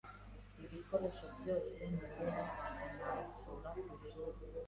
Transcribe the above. ibikoresho byose nkenera bakanansura ku ishuri